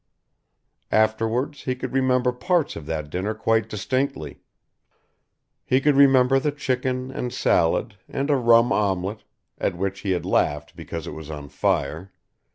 Afterwards he could remember parts of that dinner quite distinctly. He could remember the chicken and salad, and a rum omelette, at which he had laughed because it was on fire.